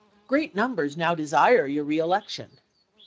Great numbers now chaee desire your reelection.